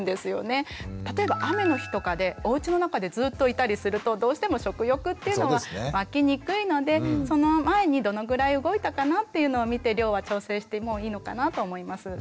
例えば雨の日とかでおうちの中でずっといたりするとどうしても食欲っていうのはわきにくいのでその前にどのぐらい動いたかなっていうのを見て量は調整してもいいのかなと思います。